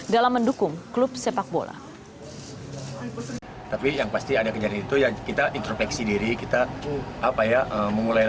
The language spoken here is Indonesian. dalam mendukung klub sepak bola